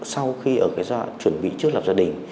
sau khi ở cái dọa chuẩn bị trước lập gia đình